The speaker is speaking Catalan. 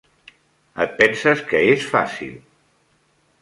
Et penses que és fàcil.